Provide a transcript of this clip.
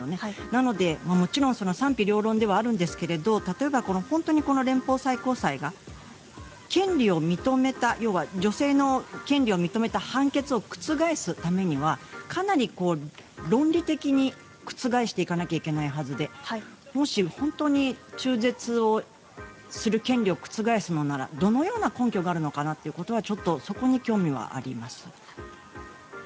なので、もちろん賛否両論ではあるんですけども本当に連邦最高裁が権利を認めた要は女性の権利を認めた判決を覆すためには、かなり論理的に覆していかなきゃいけないはずでもし本当に中絶をする権利を覆すのならどのような根拠があるのかなということはそこに興味はあります。